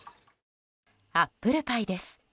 アップルパイです。